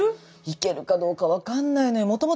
いけるかどうか分かんないのよ。